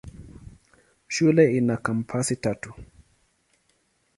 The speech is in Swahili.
Shule ina kampasi tatu.